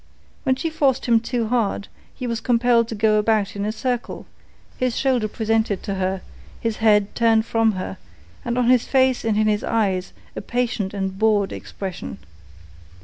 When she forced him too hard, he was compelled to go about in a circle, his shoulder presented to her, his head turned from her, and on his face and in his eyes a patient and bored expression.